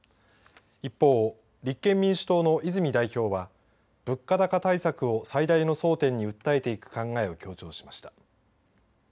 一方、立憲民主党の泉代表は物価高対策を最大の争点に訴えていく考えを強調しました。